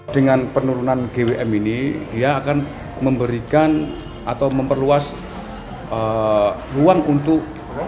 dengan penurunan gwm ini dia akan memberikan atau memperluas ruang untuk